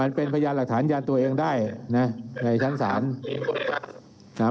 พยานหลักฐานยานตัวเองได้นะในชั้นศาล